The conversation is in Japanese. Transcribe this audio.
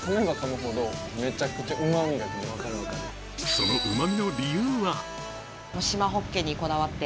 そのうまみの理由は？